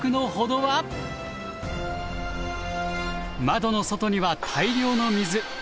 窓の外には大量の水。